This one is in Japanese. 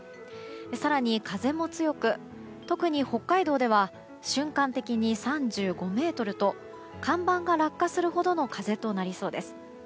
更に風も強く、特に北海道では瞬間的に３５メートルと看板が落下するほどの風となりそうです。